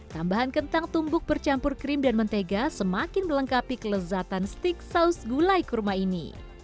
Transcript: tambahan kentang tumbuk bercampur krim dan mentega semakin melengkapi kelezatan steak saus gulai kurma ini